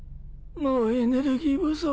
もうエネルギー不足。